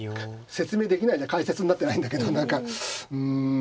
説明できないんじゃ解説になってないんだけど何かうん。